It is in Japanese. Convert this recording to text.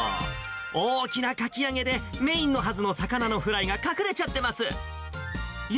大きなかき揚げで、メインのはずの魚のフライが隠れちゃってます。